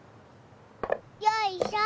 よいしょ！